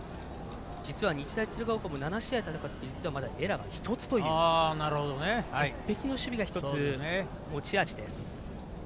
実は日大鶴ヶ丘７試合戦ってエラーがまだ１つという鉄壁の守備が１つ持ち味です。